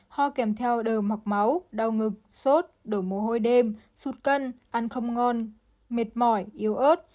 ho kèm theo đờ mọc máu đau ngực sốt đổi mồ hôi đêm sụt cân ăn không ngon mệt mỏi yếu ớt